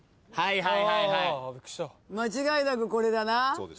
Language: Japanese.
間違いなくこれだな。